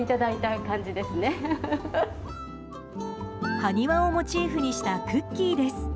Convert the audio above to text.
ハニワをモチーフにしたクッキーです。